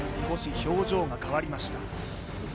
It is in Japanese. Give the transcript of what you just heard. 少し表情が変わりました